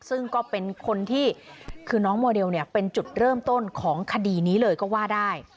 ซึ่งก็เป็นคนที่คือน้องโมเดลเป็นจุดเริ่มต้นของคดีนี้เลยก็ว่าได้